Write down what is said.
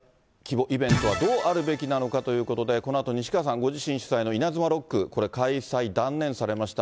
さあ、一方で、このコロナ禍の大規模イベントはどうあるべきなのかということで、このあと西川さんご自身主催の稲妻ロック、これ、開催断念されました。